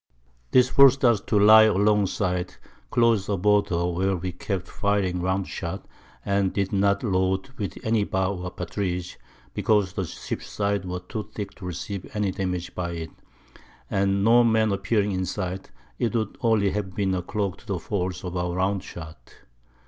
This forced us to lie along side, close aboard her, where we kept firing round Shot, and did not load with any Bar or Partridge, because the Ship's Sides were too thick to receive any Damage by it, and no Men appearing in sight, it would only have been a Clog to the Force of our Round Shot.